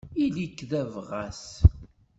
Ili-k d abɣas.